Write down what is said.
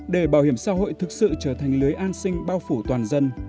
để bảo hiểm xã hội thực sự trở thành lưới an sinh bao phủ toàn dân